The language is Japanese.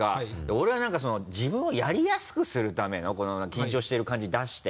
俺は何かその自分をやりやすくするための緊張してる感じ出して。